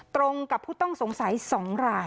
ตรงกับผู้ต้องสงสัย๒ราย